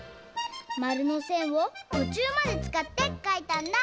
まるのせんをとちゅうまでつかってかいたんだ！